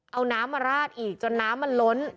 เอาน้ำมาราดอีกจนน้ำมันล้น